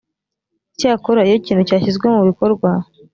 icyakora iyo ikintu cyashyizwe mu bikorwa